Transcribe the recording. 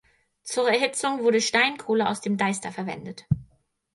Zur Erhitzung wurde Steinkohle aus dem Deister verwendet.